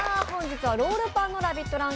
本日はロールパンのラヴィット！